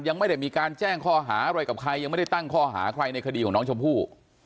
ยังไม่ได้มีการแจ้งข้อหาอะไรกับใครยังไม่ได้ตั้งข้อหาใครในคดีของน้องชมพู่